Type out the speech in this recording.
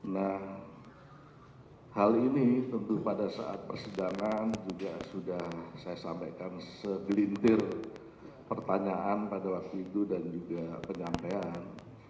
nah hal ini tentu pada saat persidangan juga sudah saya sampaikan segelintir pertanyaan pada waktu itu dan juga penyampaian